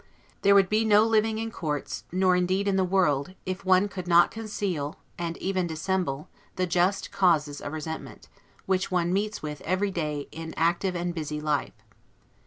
There would be no living in courts, nor indeed in the world if one could not conceal, and even dissemble, the just causes of resentment, which one meets with every day in active and busy life.